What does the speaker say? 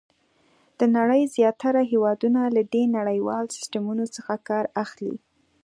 د نړۍ زیاتره هېوادونه له دې نړیوال سیسټمونو څخه کار اخلي.